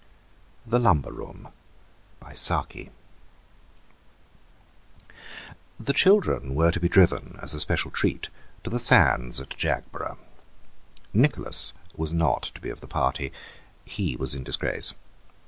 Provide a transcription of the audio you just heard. THE LUMBER ROOM The children were to be driven, as a special treat, to the sands at Jagborough. Nicholas was not to be of the party; he was in disgrace.